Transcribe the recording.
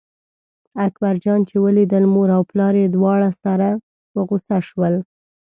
اکبر جان چې ولیدل مور او پلار یې دواړه سره په غوسه شول.